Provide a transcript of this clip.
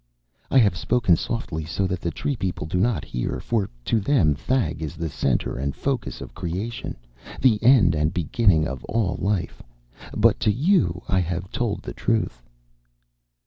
"I have spoken softly so that the tree people do not hear, for to them Thag is the center and focus of creation, the end and beginning of all life. But to you I have told the truth."